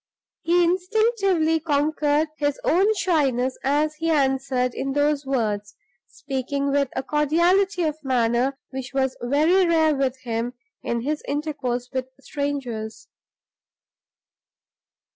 He instinctively conquered his own shyness as he answered in those words, speaking with a cordiality of manner which was very rare with him in his intercourse with strangers.